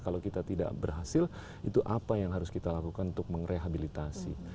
kalau kita tidak berhasil itu apa yang harus kita lakukan untuk merehabilitasi